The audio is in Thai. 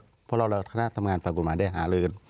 เพราะเราแล้วคณะทำงานฝั่งกฎหมายได้หาเลย